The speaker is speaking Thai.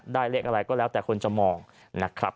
เลขอะไรก็แล้วแต่คนจะมองนะครับ